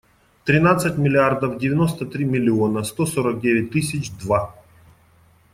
Тринадцать миллиардов девяносто три миллиона сто сорок девять тысяч два.